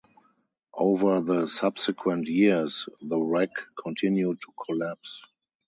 Over the subsequent years, the wreck continued to collapse.